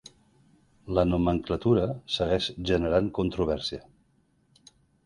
La nomenclatura segueix generant controvèrsia.